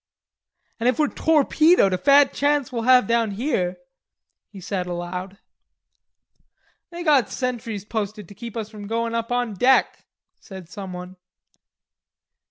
"An' if we're torpedoed a fat chance we'll have down here," he said aloud. "They got sentries posted to keep us from goin up on deck," said someone.